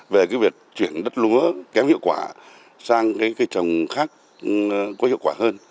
về cái việc chuyển đất lúa kém hiệu quả sang cái cây trồng khác có hiệu quả hơn